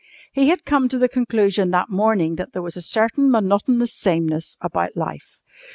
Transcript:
He had come to the conclusion that morning that there was a certain monotonous sameness about life.